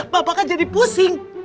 bapak kan jadi pusing